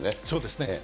そうですね。